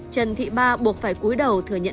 trần thị ba buộc phải cuối đầu thừa nhận